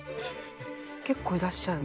結構いらっしゃる。